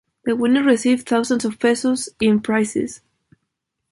The winners receive thousands of pesos in prizes.